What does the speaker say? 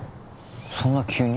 そんな急に？